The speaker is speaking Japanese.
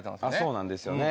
そうなんですよね。